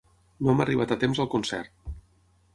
No hem arribat a temps al concert.